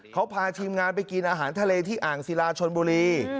เขาพาทีมงานไปกินอาหารทะเลที่อ่างศิลาชนบุรี